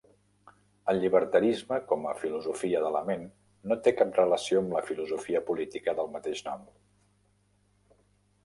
El llibertarisme com a filosofia de la ment no té cap relació amb la filosofia política del mateix nom.